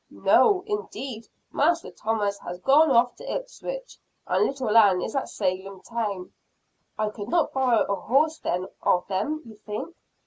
"No, indeed! Master Thomas has gone off to Ipswich and little Ann is at Salem town." "I could not borrow a horse, then, of them, you think?"